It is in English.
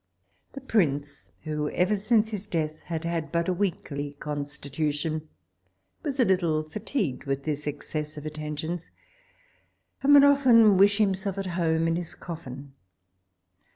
The prince, who, ever since his death, had had but a weakly constitution, was a little fatigued with this excess of attentions, and would often wish himself at home in his coffin.